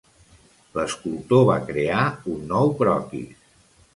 L'escultor va crear un nou croquis.